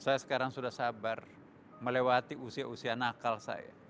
saya sekarang sudah sabar melewati usia usia nakal saya